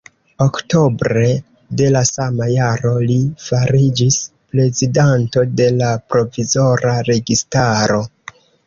Oktobre de la sama jaro li fariĝis prezidanto de la provizora registaro.